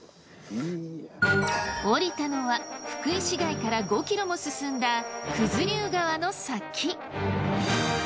降りたのは福井市街から５ｋｍも進んだ九頭竜川の先。